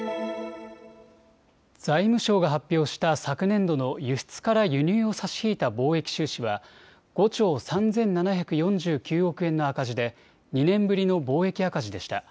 財務省が発表した昨年度の輸出から輸入を差し引いた貿易収支は５兆３７４９億円の赤字で２年ぶりの貿易赤字でした。